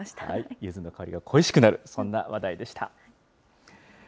ゆずの香りが恋しくなる、そんな話題でした。